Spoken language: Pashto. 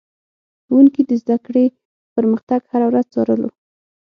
ښوونکي د زده کړې پرمختګ هره ورځ څارلو.